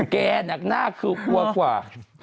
แกน่ากลวกกว่ากว่า